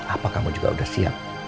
apa kamu juga sudah siap